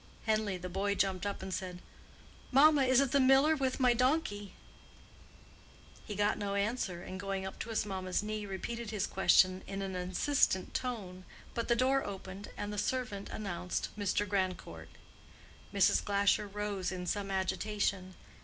Henleigh the boy jumped up and said, "Mamma, is it the miller with my donkey?" He got no answer, and going up to his mamma's knee repeated his question in an insistent tone. But the door opened, and the servant announced Mr. Grandcourt. Mrs. Glasher rose in some agitation.